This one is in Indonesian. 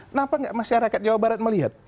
kenapa nggak masyarakat jawa barat melihat